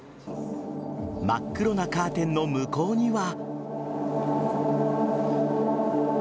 真っ黒なカーテンの向こうには。